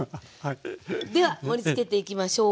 では盛りつけていきましょう。